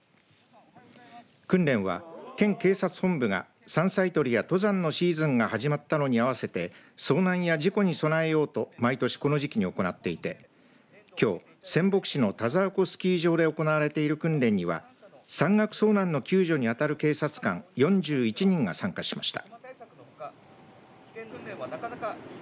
訓練は県警察本部が山菜採りや登山のシーズンが始まったのに合わせて遭難や事故に備えようと毎年この時期に行っていてきょう仙北市の田沢湖スキー場で行われている訓練には山岳遭難の救助に当たる警察官４１人が参加しました。